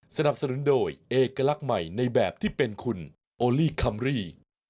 สนับสนุนโดยเอกลักษณ์ใหม่ในแบบที่เป็นคุณโอลี่คัมรี่